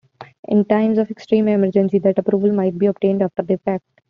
In times of extreme emergency, that approval might be obtained after the fact.